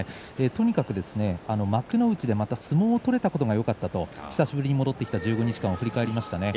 とにかく幕内でまた相撲を取れたことがよかったと久しぶりに戻ってきた１５日間を振り返りました。